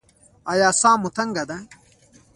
ایا ساه مو تنګه ده؟